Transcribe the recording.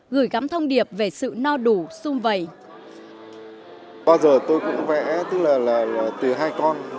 gửi gắm thông điệp về sự no đủ xung vầy